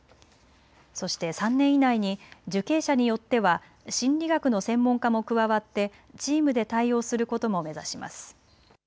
そして３年以内に受刑者によっては心理学の専門家も加わってチームで対応することも目指します。